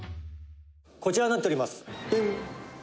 「こちらになっております」